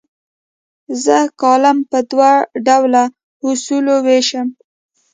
زه کالم په دوه ډوله اصولو ویشم.